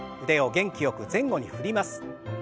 腕を元気よく前後に振ります。